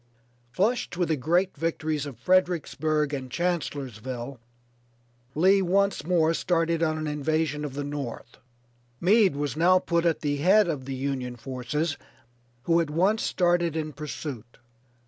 Flushed with the great victories of Fredericksburg and Chancellorsville, Lee once more started on an invasion of the North. Meade was now put at the head of the Union forces, who at once started in pursuit.